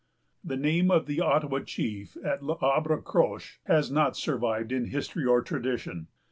The name of the Ottawa chief at L'Arbre Croche has not survived in history or tradition.